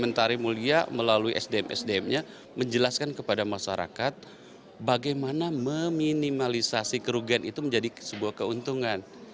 mentari mulia melalui sdm sdm nya menjelaskan kepada masyarakat bagaimana meminimalisasi kerugian itu menjadi sebuah keuntungan